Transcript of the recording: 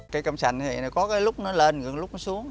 cây cam sành có lúc nó lên lúc nó xuống